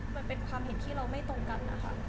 มันเป็นความเห็นที่เราไม่ตรงกันนะคะ